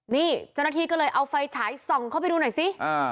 นี่เจ้าหน้าที่ก็เลยเอาไฟฉายส่องเข้าไปดูหน่อยสิ